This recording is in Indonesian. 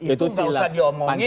itu nggak usah diomongin